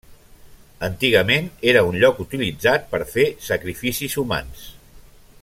Antigament era un lloc utilitzat per fer sacrificis humans.